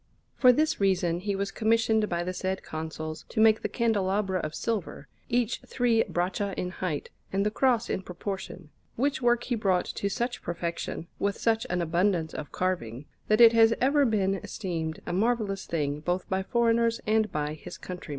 For this reason he was commissioned by the said Consuls to make the candelabra of silver, each three braccia in height, and the Cross in proportion; which work he brought to such perfection, with such an abundance of carving, that it has ever been esteemed a marvellous thing both by foreigners and by his countrymen.